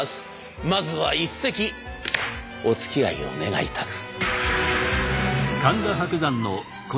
まずは一席おつきあいを願いたく。